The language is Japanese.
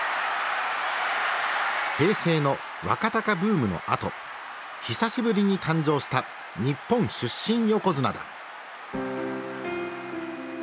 平成の若貴ブームのあと久しぶりに誕生した日本出身横綱だ。